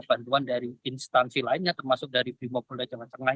bantuan dari instansi lainnya termasuk dari bimobula jawa tengah